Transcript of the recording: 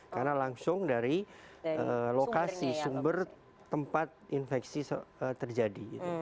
karena langsung dari lokasi sumber tempat infeksi terjadi